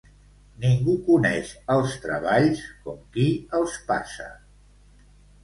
Ningú coneix els treballs com qui els passa.